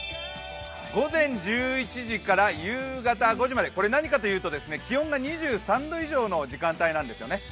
午前１１時から夕方５時まで、何かといいますと、気温が２３度以上の時間帯なんですよね。